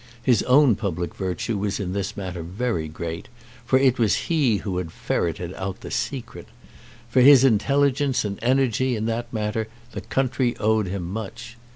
His own public virtue was in this matter very great, for it was he who had ferreted out the secret. For his intelligence and energy in that matter the country owed him much.